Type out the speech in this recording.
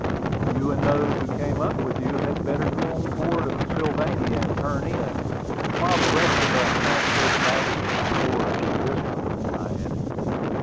"You and those who came up with you had better go on board of the Sylvania and turn in, while the rest of us transfer the baggage and stores to this boat," I added.